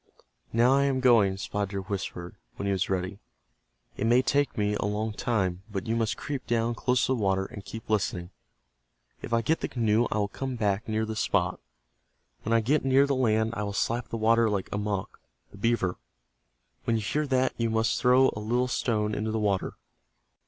"Now I am going," Spotted Deer whispered, when he was ready. "It may take me a long time, but you must creep down close to the water and keep listening. If I get the canoe I will come back near this spot. When I get near the land I will slap the water like Amoch, the beaver. When you hear that you must throw a little stone into the water.